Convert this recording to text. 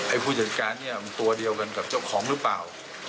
ผู้จัดการเนี่ยมันตัวเดียวกันกับเจ้าของหรือเปล่า